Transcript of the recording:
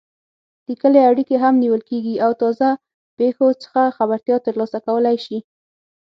لیکلې اړیکې هم نیول کېږي او تازه پېښو څخه خبرتیا ترلاسه کولای شي.